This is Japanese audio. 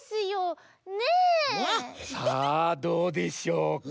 さあどうでしょうか？